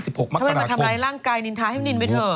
ทำไมทำลายร่างกายนินทาให้มันนินไปเถอะ